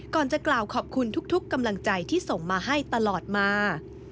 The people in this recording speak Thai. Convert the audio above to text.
ก่อนจะกล่าวขอบคุณทุกกำลังใจที่ส่งมาให้ตลอดมา